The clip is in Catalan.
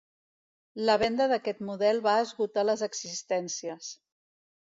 La venda d'aquest model va esgotar les existències.